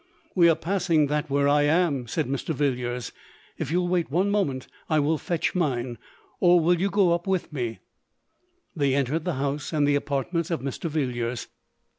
"We are passing that where I am," said Mr. Villiers. "If you will wait one moment I will fetch mine; — or will you go up with me P M They entered the house, and the apartments of Mr. V r illiers.